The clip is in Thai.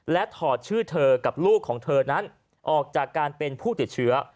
และถอดชื่อเธอกับลูกของเธอนั้นออกจากการเป็นผู้ติดเชื้อ